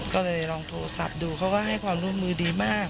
ก็เลยลองโทรศัพท์ดูเขาก็ให้ความร่วมมือดีมาก